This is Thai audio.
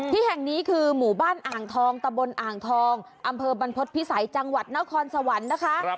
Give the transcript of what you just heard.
ที่แห่งนี้คือหมู่บ้านอ่างทองตะบนอ่างทองอำเภอบรรพฤษภิษัยจังหวัดนครสวรรค์นะคะ